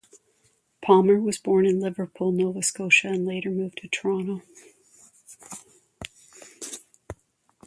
Palmer was born in Liverpool, Nova Scotia, and later moved to Toronto.